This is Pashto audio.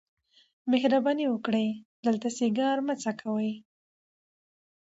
مهرباني وکړئ دلته سیګار مه څکوئ.